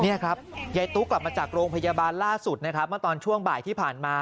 นี่ครับยายตุ๊กกลับมาจากโรงพยาบาลล่าสุดนะครับเมื่อตอนช่วงบ่ายที่ผ่านมา